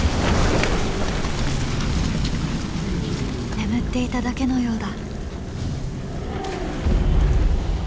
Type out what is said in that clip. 眠っていただけのようだ。